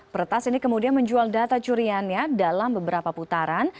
peretas ini kemudian menjual data curiannya dalam beberapa putaran